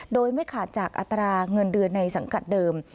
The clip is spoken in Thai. โดยไม่ขาดจากอัตราเงินเดือนในสังกัดเดิม